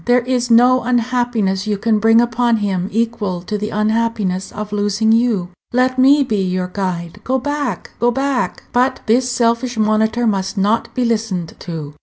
There is no unhappiness you can bring upon him equal to the unhappiness of losing you. Let me be your guide. Go back, go back!" But this selfish monitor must not be listened to.